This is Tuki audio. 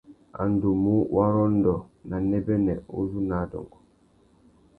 A nu ndú mú warrôndô nà nêbênê uzu nà adôngô.